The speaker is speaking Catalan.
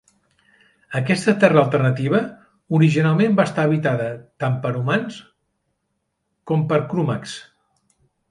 Aquesta terra alternativa originalment va estar habitada tant per humans com per Kromaggs.